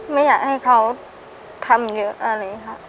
ไม่อยากให้เขาทำเยอะอะไรอย่างนี้ค่ะ